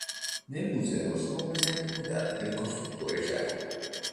Nel museo sono presenti modelli del costruttore ceco.